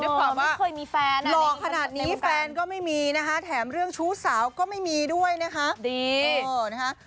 ด้วยความว่าหลอกขนาดนี้แฟนก็ไม่มีนะฮะแถมเรื่องชู้สาวก็ไม่มีด้วยนะฮะดีโอ้นะฮะ